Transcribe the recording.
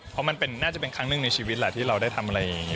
เพราะมันน่าจะเป็นครั้งหนึ่งในชีวิตแหละที่เราได้ทำอะไรอย่างนี้